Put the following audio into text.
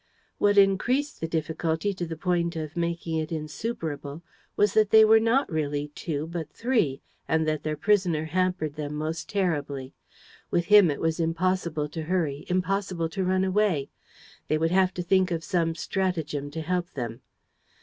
What increased the difficulty to the point of making it insuperable was that they were not really two but three and that their prisoner hampered them most terribly. With him it was impossible to hurry, impossible to run away. They would have to think of some stratagem to help them.